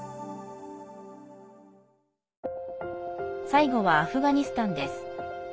最後は、アフガニスタンです。